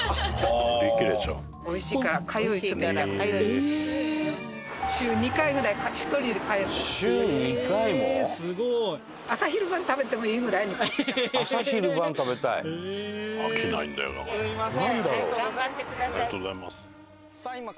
ありがとうございます。